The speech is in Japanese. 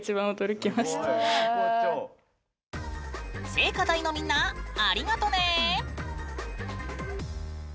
聖歌隊のみんなありがとね！